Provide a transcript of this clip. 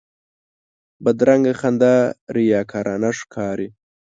بدرنګه خندا ریاکارانه ښکاري